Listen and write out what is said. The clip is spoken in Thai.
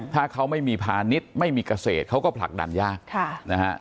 ถ้าเขาไม่มีพาณิชย์ไม่มีเกษตรเขาก็ผลักดันยากนะฮะ